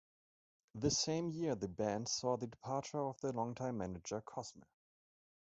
This same year the band saw the departure of their longtime manager Cosme.